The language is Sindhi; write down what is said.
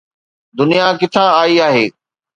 دنيا ڪٿان آئي آهي؟